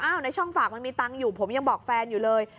ในช่องฝากมันมีตังค์อยู่ผมยังบอกแฟนอยู่เลย